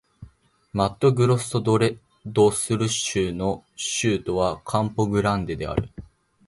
マットグロッソ・ド・スル州の州都はカンポ・グランデである